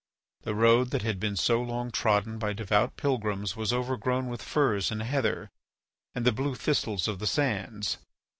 The road that had been so long trodden by devout pilgrims was overgrown with furze and heather, and the blue thistles of the sands.